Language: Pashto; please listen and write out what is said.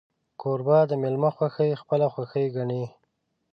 کوربه د میلمه خوښي خپله خوښي ګڼي.